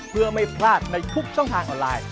เพื่อไม่พลาดในทุกช่องทางออนไลน์